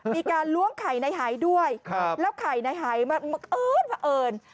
มีการล้วงไข่ในหายด้วยแล้วไข่ในหายมันบังเอิญบังเอิญ